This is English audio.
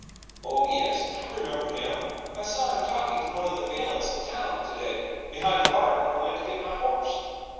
"Oh, yes, I remember him. I saw him talking to one of the Falins in town to day, behind the barn, when I went to get my horse."